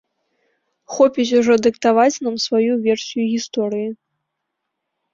Хопіць ужо дыктаваць нам сваю версію гісторыі?